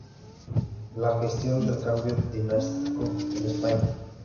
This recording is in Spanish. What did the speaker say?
La gestación del cambio dinástico en España".